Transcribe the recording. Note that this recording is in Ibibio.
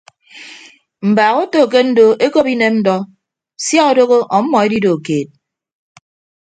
Mbaak oto ke ndo ekop inem ndọ sia odooho ọmmọ edido keed.